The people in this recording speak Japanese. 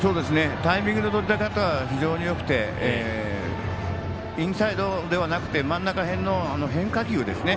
タイミングの取り方が非常によくてインサイドではなくて真ん中辺の変化球ですね。